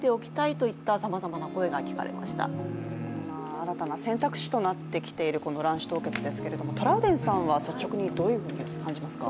新たな選択肢となってきている卵子凍結ですけれどもトラウデンさんは率直にどういうふうに感じますか？